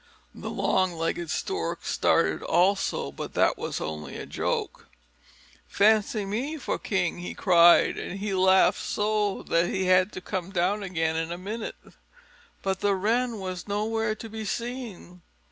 The long legged Stork started also, but that was only for a joke. "Fancy me for a king!" he cried, and he laughed so that he had to come down again in a minute. But the Wren was nowhere to be seen.